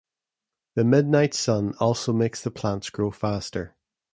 The midnight sun also makes the plants grow faster.